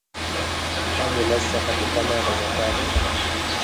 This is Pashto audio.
هم ولس څخه په طمع د زکات دي